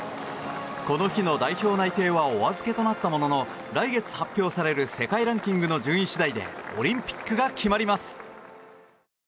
この日の代表内定はお預けとなったものの来月発表される世界ランキングの順位次第でオリンピックが決まります。